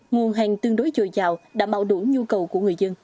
nguồn hàng tương đối dồi dào đã mạo đủ nhu cầu của người dân